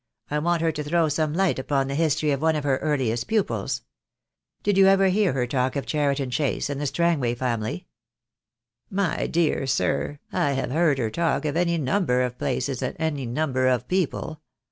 I want her to throw some light upon the history of one of her earliest pupils. Did you ever hear her talk of Cheriton Chase and the Strangway family?" "My dear sir, I have heard her talk of any number of places, and any number of people.